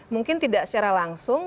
mungkin tidak secara langsung